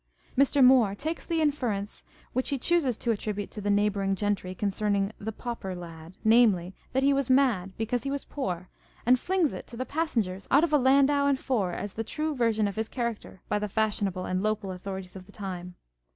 Mr. Moore takes the inference which he chooses to attribute to the neighbouring gentry concerning " the pauper lad," namely, that " he was mad " because he was poor, and flings it to the passengers out of a landau and four as the true version of his character by the fashionable and local authorities of the time.